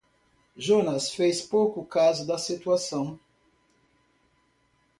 Jonas fez pouco caso da situação.